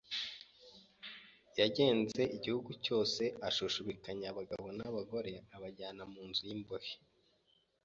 Yagenze igihugu cyose, ashushubikanya abagabo n’abagore abajyana mu nzu y’imbohe.